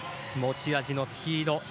持ち味のスピード。